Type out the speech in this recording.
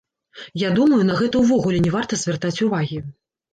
Я думаю, на гэта ўвогуле не варта звяртаць увагі.